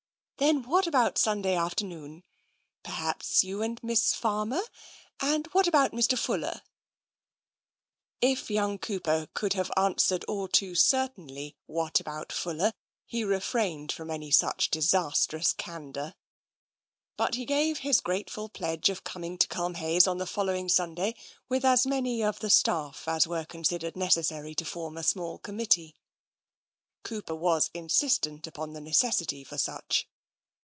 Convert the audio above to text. "Then what about Sunday afternoon? Perhaps you and Miss Farmer — and what about Mr. Fuller? " TENSION 137 If young Cooper could have answered all too cer tainly, " what about Fuller/' he refrained from any such disastrous candour. But he gave his grateful pledge of coming to Culmhayes on the following Sun day with as many of the staff as were considered necessary to form a small committee. Cooper was insistent upon the necessity for such.